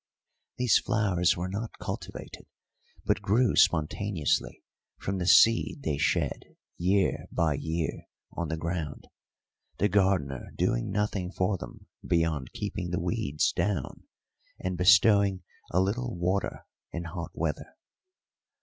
These flowers were not cultivated, but grew spontaneously from the seed they shed year by year on the ground, the gardener doing nothing for them beyond keeping the weeds down and bestowing a little water in hot weather.